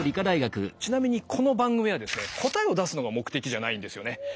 ちなみにこの番組はですね答えを出すのが目的じゃないんですよね。